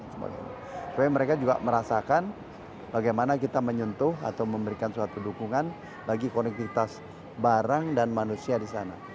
supaya mereka juga merasakan bagaimana kita menyentuh atau memberikan suatu dukungan bagi konektivitas barang dan manusia di sana